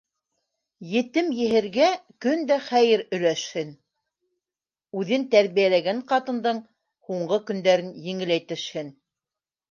Етем-еһергә көн дә хәйер өләшһен, үҙен тәрбиәләгән ҡатындың һуңғы көндәрен еңеләйтешһен.